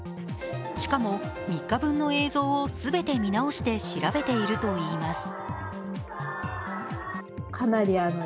しかも３日分の映像を全て見直して調べているといいます。